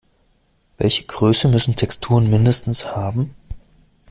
Welche Größe müssen Texturen mindestens haben?